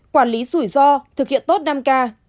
quản lý rủi ro thực hiện tốt năm k